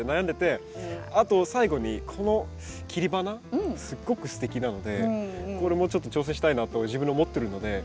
あと最後にこの切り花すごくすてきなのでこれもちょっと挑戦したいなと自分で思ってるので。